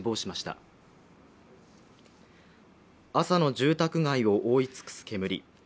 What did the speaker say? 朝の住宅街を覆い尽くす煙。